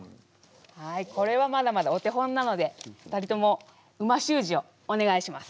はいこれはまだまだお手本なので２人とも美味しゅう字をお願いします。